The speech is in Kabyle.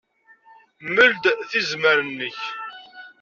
Mel-d tizemmar-nnek.